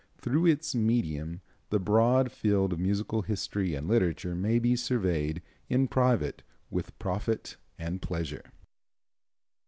Through its medium the broad field of musical history and literature may be surveyed in private with profit and pleasure.